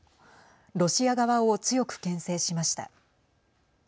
ロシア側を強くけん制しました。